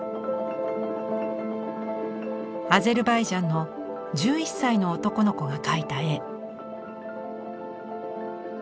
アゼルバイジャンの１１歳の男の子が描いた絵。